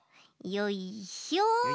よいしょ。